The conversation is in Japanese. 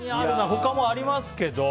他もありますけど。